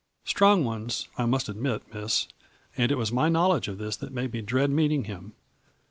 "' Strong ones, I must admit, Miss, and it was my knowledge of this that made me dread meeting him.